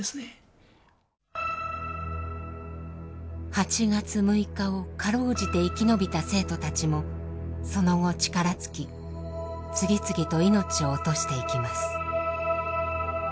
８月６日を辛うじて生き延びた生徒たちもその後力尽き次々と命を落としていきます。